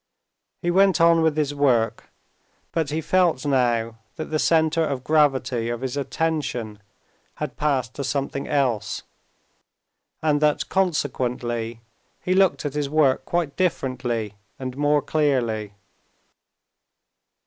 He went on with his work, but he felt now that the center of gravity of his attention had passed to something else, and that consequently he looked at his work quite differently and more clearly.